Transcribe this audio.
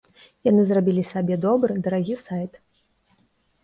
Яны зрабілі сабе добры, дарагі сайт.